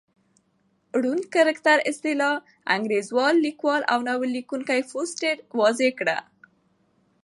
رونډ کرکټراصطلاح انکرېرلیکوال اوناول لیکوونکي فوسټر واضع کړه.